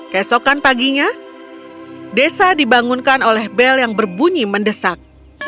kesokan paginya desa dibangunkan oleh bel yang berbunyi mendesak